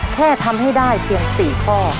แค่ทำให้ได้เพียง๔ข้อ